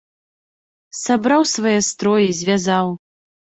Сабраў свае строі, звязаў.